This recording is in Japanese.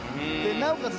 なおかつ